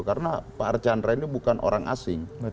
karena pak archandra ini bukan orang asing